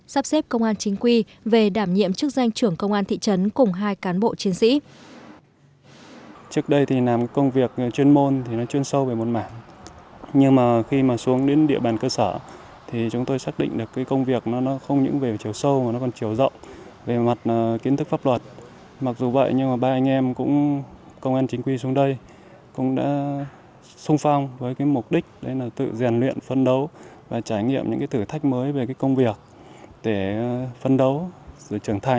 sắp xếp công an chính quy về đảm nhiệm chức danh trưởng công an thị trấn cùng hai cán bộ chiến sĩ